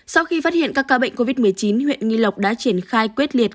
sau khi phát hiện các ca bệnh covid một mươi chín huyện nghi lộc đã triển khai quyết liệt